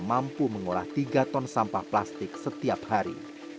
mampu mengolah tiga ton sampah plastik setiap hari